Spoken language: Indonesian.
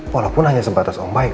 walaupun hanya sebatas om baik